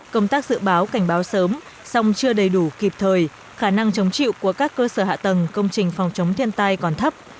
công tác dự báo cảnh báo sớm song chưa đầy đủ kịp thời khả năng chống chịu của các cơ sở hạ tầng công trình phòng chống thiên tai còn thấp